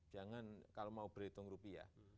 jangan kalau mau berhitung rupiah